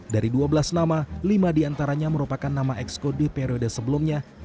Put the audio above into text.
dari dua belas nama lima diantaranya merupakan nama exco di periode sebelumnya